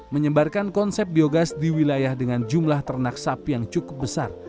menyebarkan konsep biogas di wilayah dengan jumlah ternak sapi yang cukup besar